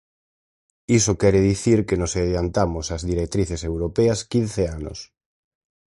Iso quere dicir que nos adiantamos ás directrices europeas quince anos.